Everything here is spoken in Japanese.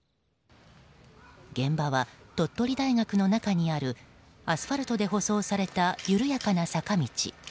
現場は鳥取大学の中にあるアスファルトで舗装された緩やかな坂道。